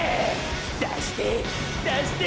出して出して！！